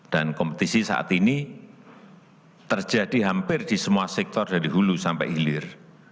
dan kompetisi saat ini terjadi hampir di semua sektor dari hulu sampai hilir